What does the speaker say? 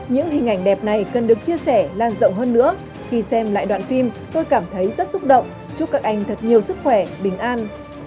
những hình ảnh đẹp này cần được chia sẻ lan rộng hơn nữa khi xem lại đoạn phim tôi cảm thấy rất xúc động chúc các anh thật nhiều sức khỏe bình an